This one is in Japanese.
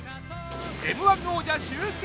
Ｍ−１ 王者集結！